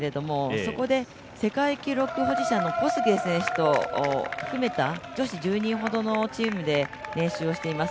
そこで世界記録保持者の選手と、女子１０人ほどのチームで練習をしています。